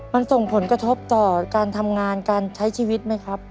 มันส่งผลกระทบต่อการทำงานการใช้ชีวิตไหมครับ